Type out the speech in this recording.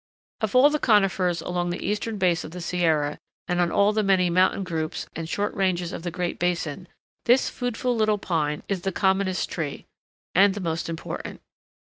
Of all the conifers along the eastern base of the Sierra, and on all the many mountain groups and short ranges of the Great Basin, this foodful little pine is the commonest tree, and the most important.